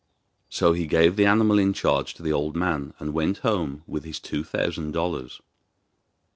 So he gave the animal in charge to the old man, and went home with his two thousand dollars.